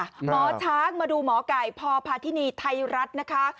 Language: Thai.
หมอช้างมาดูหมอไก่พพาธินีไทยรัฐนะคะ